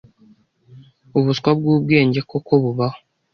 Ubuswa bwubwenge koko bubaho?